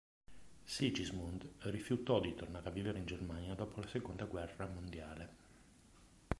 Sigismund rifiutò di tornare a vivere in Germania dopo la Seconda guerra mondiale.